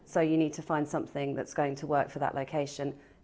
jadi anda harus mencari sesuatu yang akan berfungsi untuk lokasi itu